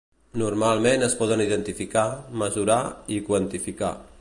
Normalment es poden identificar, mesurar i quantificar.